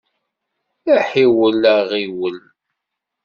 Aḥiwel, aɣiwel!